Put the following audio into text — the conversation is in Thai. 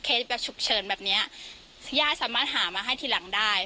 แบบฉุกเฉินแบบเนี้ยย่าสามารถหามาให้ทีหลังได้